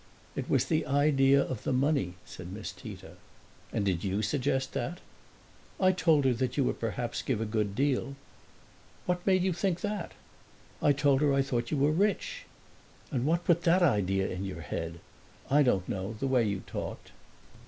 "It was the idea of the money," said Miss Tita. "And did you suggest that?" "I told her that you would perhaps give a good deal." "What made you think that?" "I told her I thought you were rich." "And what put that idea into your head?" "I don't know; the way you talked."